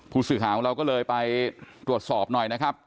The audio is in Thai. ผู้สื่อข่าวของเราก็เลยไปตรวจสอบหน่อยนะครับ